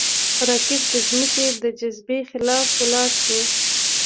راکټ د ځمکې د جاذبې خلاف ولاړ شي